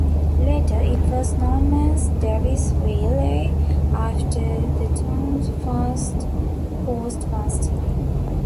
Later it was known as Davisville, after the town's first postmaster.